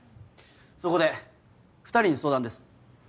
そこで２人に相談です。